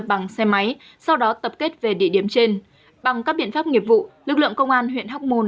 bằng xe máy sau đó tập kết về địa điểm trên bằng các biện pháp nghiệp vụ lực lượng công an huyện hóc môn